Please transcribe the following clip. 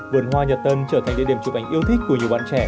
vườn hoa nhật tân trở thành địa điểm chụp ảnh yêu thích của nhiều bạn trẻ